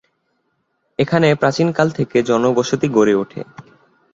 এখানে প্রাচীনকাল থেকে জন বসতি গড়ে ওঠে।